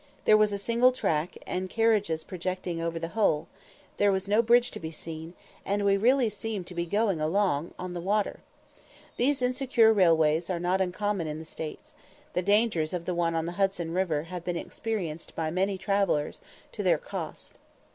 There was a single track, and the carriages projecting over the whole, there was no bridge to be seen, and we really seemed to be going along on the water. These insecure railways are not uncommon in the States; the dangers of the one on the Hudson river have been experienced by many travellers to their cost.